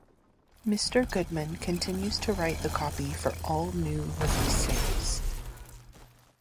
Mr. Goodman continues to write the copy for all new release sales.